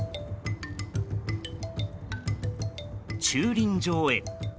駐輪場へ。